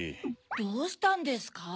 どうしたんですか？